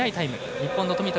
日本の富田